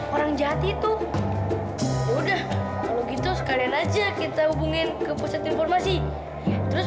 orang jati tuh udah kalau gitu sekalian aja kita hubungin ke pusat informasi terus